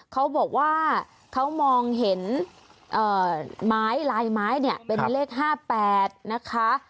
เขาบอกว่าเขามองเห็นลายไม้เป็นเลข๕๘นะคะ